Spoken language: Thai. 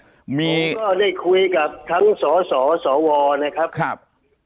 ผมได้คุยกับทั้งสาวสวนะครับ